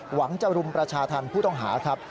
หวังจะรุมประชาธรรมผู้ต้องหาครับ